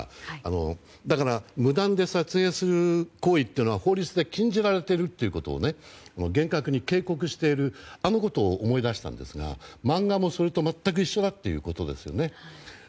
だから、無断で撮影する行為は法律で禁じられているということを厳格に警告しているあのことを思い出したんですが漫画もそれと全く一緒だということですよね。